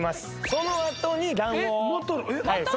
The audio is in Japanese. そのあとに卵黄をまた！？